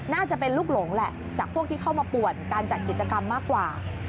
น่าจะเป็นลูกหลงแหละจากพวกที่เข้ามาป่วนการจัดกิจกรรมมากกว่า